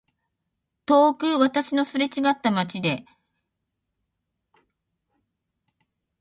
遠く私のすれちがった街でだけ時はしんしんと火をかきたてて降っているのである。